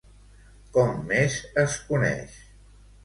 Com més es coneix?